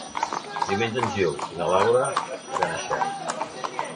Diumenge en Gil i na Laura iran a Xert.